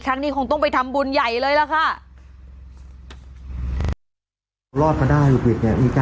ครั้งนี้คงต้องไปทำบุญใหญ่เลยล่ะค่ะ